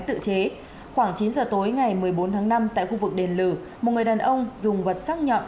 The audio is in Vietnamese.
tự chế khoảng chín giờ tối ngày một mươi bốn tháng năm tại khu vực đền lừ một người đàn ông dùng vật sắc nhọn